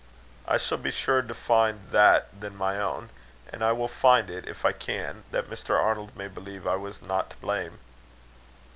"I shall be surer to find that than my own. And I will find it, if I can, that Mr. Arnold may believe I was not to blame."